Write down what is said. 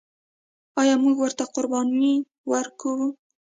آیا موږ ورته قرباني ورکوو؟